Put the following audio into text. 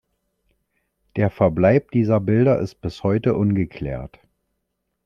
Der Verbleib dieser Bilder ist bis heute ungeklärt.